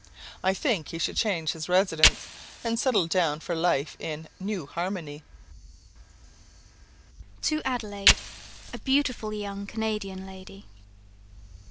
I think he should change his residence, and settle down for life in New Harmony. To Adelaide, A Beautiful Young Canadian Lady.